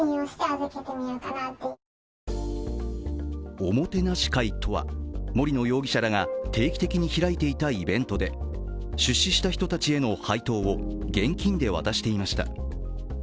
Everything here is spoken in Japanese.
おもてなし会とは森野容疑者らが定期的に開いていたイベントで出資した人たちへの配当を現金で渡していました。